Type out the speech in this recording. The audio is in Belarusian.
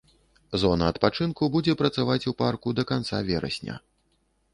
Зона адпачынку будзе працаваць у парку да канца верасня.